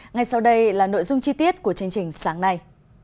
ngay sau đây là nội dung chi tiết của chương trình sáng nay